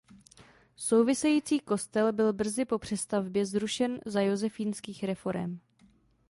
Související kostel byl brzy po přestavbě zrušen za josefínských reforem.